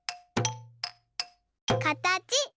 かたち。